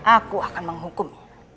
aku akan menghukum